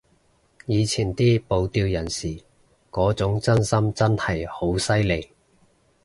以前啲保釣人士嗰種真心真係好犀利